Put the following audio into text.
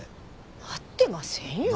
なってませんよ。